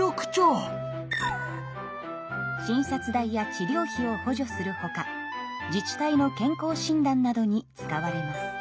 診察代や治療費を補助するほか自治体の健康診断などに使われます。